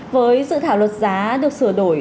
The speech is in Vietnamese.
với dự thảo luật giá được sửa đổi